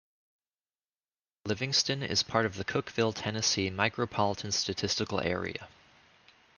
Livingston is part of the Cookeville, Tennessee Micropolitan Statistical Area.